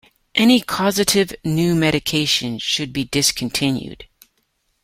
Any causative new medication should be discontinued.